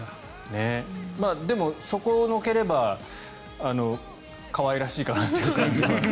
でもそこをのければ可愛らしいかなという感じが。